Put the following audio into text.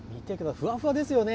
ふわふわですよね。